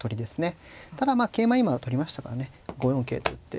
ただまあ桂馬今取りましたからね５四桂と打って。